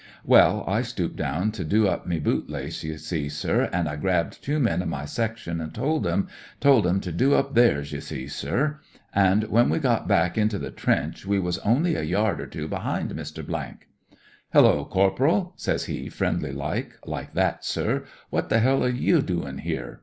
Well, I stooped down to do up me boot lace, ye see, sir, an' I grabbed two men o' my section, an' told 'em — ^told 'em to do up theirs, ye see, sir. An' when we got back into the trench we was only a yard or two behind Mr. . 'Hullo, Cor 1 1 " STICKFAST " AND OFFICER 168 poral,* says he, friendly like, like that, sir, ' what the hell are you doin' here